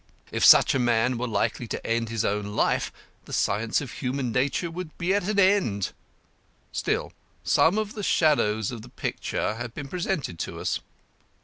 If such a man were likely to end his own life, the science of human nature would be at an end. Still, some of the shadows of the picture have been presented to us.